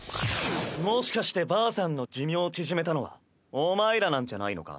もしかしてばあさんの寿命縮めたのはお前らなんじゃないのか？